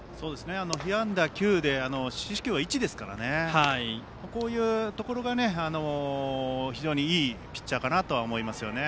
被安打９で四死球は１ですからこういうところが、非常にいいピッチャーだと思います。